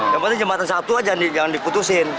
yang penting jembatan satu aja jangan diputusin